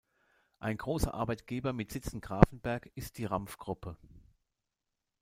Ein großer Arbeitgeber mit Sitz in Grafenberg ist die Rampf-Gruppe.